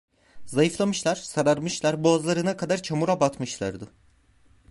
Zayıflamışlar, sararmışlar, boğazlarına kadar çamura batmışlardı…